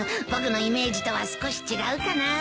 僕のイメージとは少し違うかな。